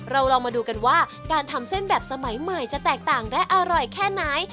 เราลองมาดูกันว่าการทำเส้นแบบสมัยใหม่จะแตกต่างและอร่อยแค่ไหน